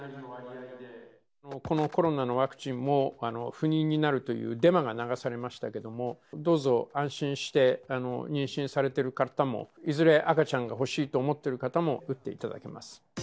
このコロナのワクチンも、不妊になるというデマが流されましたけれども、どうぞ安心して、妊娠されている方も、いずれ赤ちゃんが欲しいと思っている方も、打っていただけます。